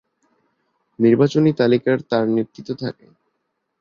নির্বাচনী তালিকার তার নেতৃত্ব থাকে।